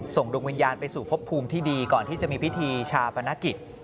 ส่งดวงวิญญาณไปสู่พบภูมิที่ดีก่อนที่จะมีพิธีชาปนกิจ